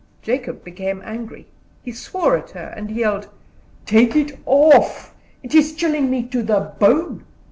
Jacob became angry, he swore at her, and yelled: "Take it off; it is chilling me to the bone."